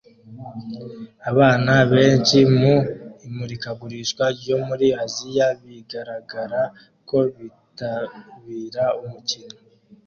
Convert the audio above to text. Abana benshi mu imurikagurisha ryo muri Aziya bigaragara ko bitabira umukino